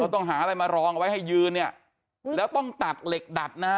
ต้องหาอะไรมารองเอาไว้ให้ยืนเนี่ยแล้วต้องตัดเหล็กดัดนะฮะ